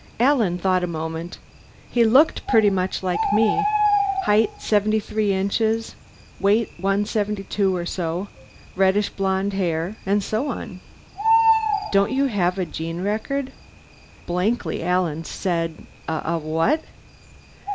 Alan thought a moment. "He looked pretty much like me. Height 73 inches, weight 172 or so, reddish blonde hair, and so on." "Don't you have a gene record?" Blankly, Alan said, "A what?"